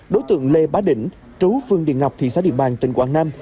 đối tượng lê bá đỉnh trú phương điện ngọc thị xã điện bàn tỉnh quảng nam